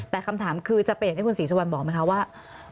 แต่คำถามคือจะเปลี่ยนให้คุณศรีชวัลบอกไหมคะว่า